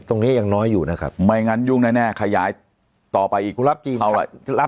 ตรงนี้ยังน้อยอยู่นะครับไม่งั้นยุ่งแน่ขยายต่อไปอีกเท่าไหร่